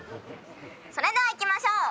それでは行きましょう！